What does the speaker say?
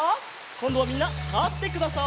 こんどはみんなたってください。